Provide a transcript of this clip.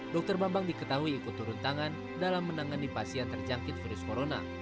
dokter bambang diketahui ikut turun tangan dalam menangani pasien terjangkit virus corona